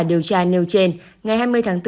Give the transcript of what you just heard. điều tra nêu trên ngày hai mươi tháng bốn